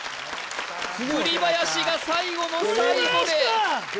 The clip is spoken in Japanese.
栗林が最後の最後で栗林君！